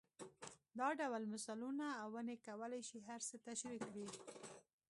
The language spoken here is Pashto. دا ډول مثالونه او ونې کولای شي هر څه تشرېح کړي.